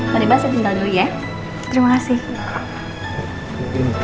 mari gehen mungkin gue kerjain lagi ya